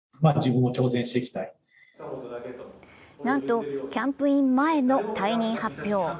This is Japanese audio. なんと、キャンプイン前の退任発表。